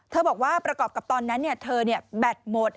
บอกว่าประกอบกับตอนนั้นเธอแบตหมด